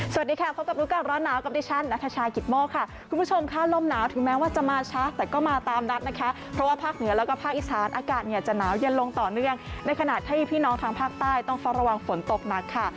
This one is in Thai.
สวัสดีค่ะพบกับรู้ก่อนร้อนหนาวกับดิฉันนัทชายกิตโมกค่ะคุณผู้ชมค่ะลมหนาวถึงแม้ว่าจะมาช้าแต่ก็มาตามนัดนะคะเพราะว่าภาคเหนือแล้วก็ภาคอีสานอากาศเนี่ยจะหนาวเย็นลงต่อเนื่องในขณะที่พี่น้องทางภาคใต้ต้องเฝ้าระวังฝนตกหนักค่ะ